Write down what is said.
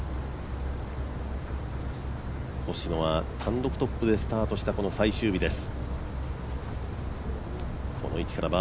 星野は単独トップでスタートしたこの最終日です。